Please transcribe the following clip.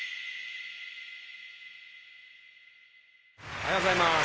おはようございます。